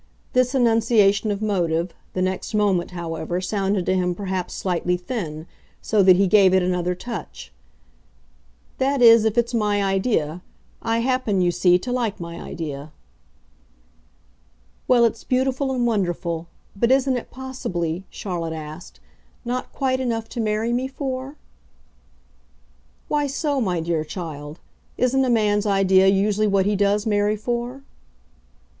This enunciation of motive, the next moment, however, sounded to him perhaps slightly thin, so that he gave it another touch. "That is if it's my idea. I happen, you see, to like my idea." "Well, it's beautiful and wonderful. But isn't it, possibly," Charlotte asked, "not quite enough to marry me for?" "Why so, my dear child? Isn't a man's idea usually what he does marry for?"